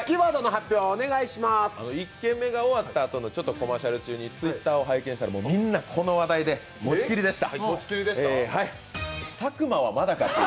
コマーシャル中にＴｗｉｔｔｅｒを拝見したらみんなこの話題で持ちきりでした。